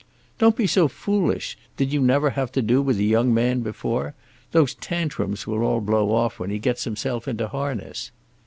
"Don't be so foolish. Did you never have to do with a young man before? Those tantrums will all blow off when he gets himself into harness."